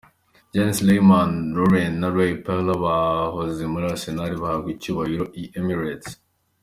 Jens Lehman, Lauren na ray Perlour bahoze muri Arsenal, bahabwa icyubahiro i Emirates .